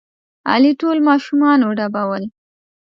علي ټول ماشومان وډبول.